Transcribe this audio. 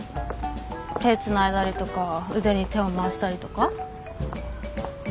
手つないだりとか腕に手を回したりとか？